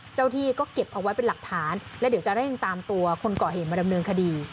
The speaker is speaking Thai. เจ้าที่ก็เก็บเอาไว้เป็นหลักฐานและเดี๋ยวจะเร่งตามตัวคนก่อเหตุมาดำเนินคดี